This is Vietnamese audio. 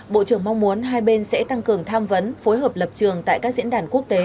bộ trưởng mong muốn hai bên sẽ tăng cường tham vấn phối hợp lập trường tại các diễn đàn quốc tế